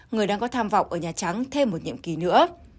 người đang có tham vọng ở nhà trắng thêm một nhiệm kỳ nữa